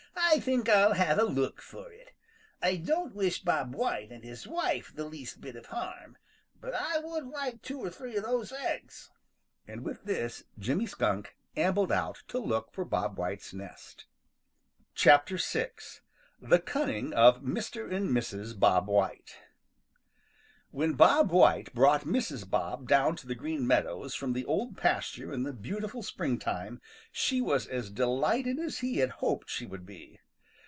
"I think I'll have a look for it. I don't wish Bob White and his wife the least bit of harm, but I would like two or three of those eggs." And with this Jimmy Skunk ambled out to look for Bob White's nest. VI. THE CUNNING OF MR. AND MRS. BOB WHITE |WHEN Bob White brought Mrs. Bob down to the Green Meadows from the Old Pasture in the beautiful springtime, she was as delighted as he had hoped she would be.